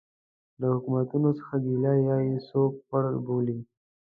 له حکومتونو څه ګیله یا یې څوک پړ بولي.